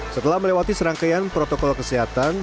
setelah melewati serangkaian protokol kesehatan